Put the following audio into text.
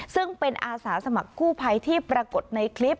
ซึ่งเป็นอาสาสมัครกู้ภัยที่ปรากฏในคลิป